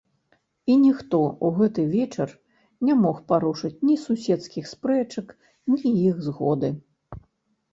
І ніхто ў гэты вечар не мог парушыць ні суседскіх спрэчак, ні іх згоды.